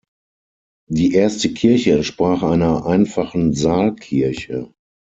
Die erste Kirche entsprach einer einfachen Saalkirche.